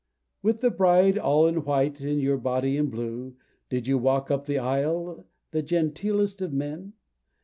With the Bride all in white, and your body in blue, Did you walk up the aisle the genteelest of men?